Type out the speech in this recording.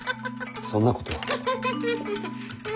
そんなことは。